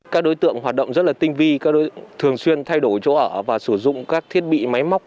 các đối tượng hoạt động rất là tinh vi thường xuyên thay đổi chỗ ở và sử dụng các thiết bị máy móc